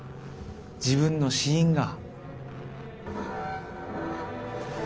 自分の死因が。